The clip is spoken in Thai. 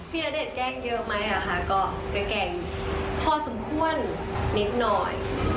พี่อเดชแกล้งเยอะไหมค่ะก็แกล้งกล่อยพอสมควรนิดหน่อย